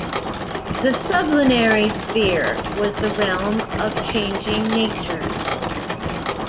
The sublunary sphere was the realm of changing nature.